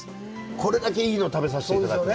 これだけいいの食べさせていただくの。